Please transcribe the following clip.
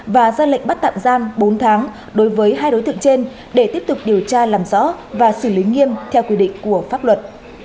và ra lệnh bắt tạm giam bốn tháng đối với hai đối tượng trên để tiếp tục điều tra làm rõ và xử lý nghiêm theo quy định của pháp luật